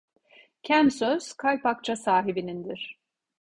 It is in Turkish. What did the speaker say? Kem söz, kalp akça sahibinindir.